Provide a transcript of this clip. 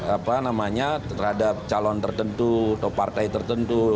apa namanya terhadap calon tertentu atau partai tertentu